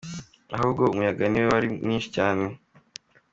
Ahubwo umuyaga niwo wari mwinshi cyane.